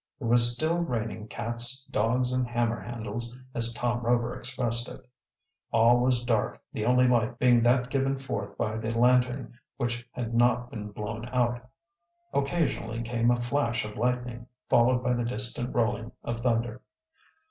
It was still raining "cats, dogs, and hammer handles" as Tom Rover expressed it. All was dark, the only light being that given forth by the lantern which had not been blown out. Occasionally came a flash of lightning, followed by the distant rolling of thunder.